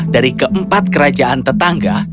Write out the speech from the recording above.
dari keempat kerajaan tetangga